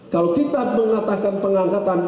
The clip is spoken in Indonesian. kalau kita mengatakan pengangkatan